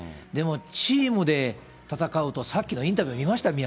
でも、チームで戦うと、さっきのインタビュー見ました？